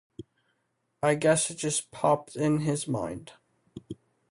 I guess it just popped in his mind.